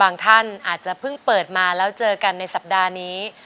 ท่านอาจจะเพิ่งเปิดมาแล้วเจอกันในสัปดาห์นี้